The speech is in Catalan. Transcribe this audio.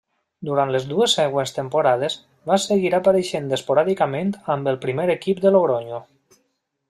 Durant les dues següents temporades va seguir apareixent esporàdicament amb el primer equip de Logronyo.